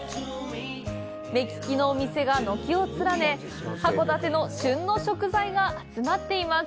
目利きのお店が軒を連ね函館の旬の食材が集まっています。